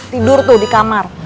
tidur tuh di kamar